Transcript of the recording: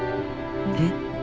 えっ？